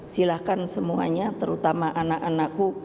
silahkan semuanya terutama anak anakku